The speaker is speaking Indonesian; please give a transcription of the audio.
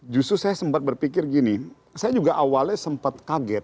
justru saya sempat berpikir gini saya juga awalnya sempat kaget